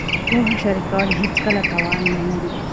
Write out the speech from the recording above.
پوهه شریکول هېڅکله تاوان نه لري.